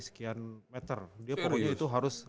sekian meter dia pokoknya itu harus